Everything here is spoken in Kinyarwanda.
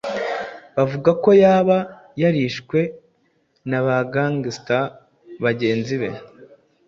bavuga ko yaba yarishwe n’aba Gangstar bagenzi be,